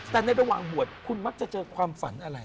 แต่ในระหว่างบวชคุณมักจะเจอความฝันอะไร